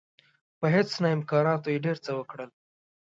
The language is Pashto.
په هیڅ نه امکاناتو یې ډېر څه وکړل.